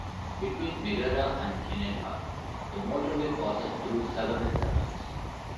Between Megara and Kineta the motorway passes through several tunnels.